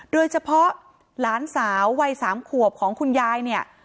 โดยเฉพาะหลานสาววัย๓ขวบของคุณยายเนี่ย